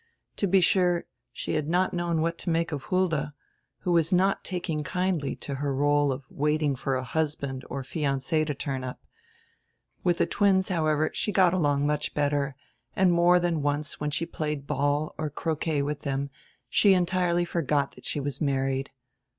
To be sure, she had not known what to make of Hulda, who was not taking kindly to her role of waiting for a husband or fiance to turn up. Widi die twins, however, she got along much better, and more dian once when she played ball or croquet widi diem she entirely forgot diat she was married.